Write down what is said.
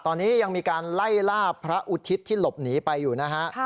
ตอนนี้ยังมีการไล่ล่าพระอุทิศที่หลบหนีไปอยู่นะฮะ